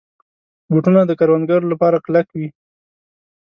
بوټونه د کروندګرو لپاره کلک وي.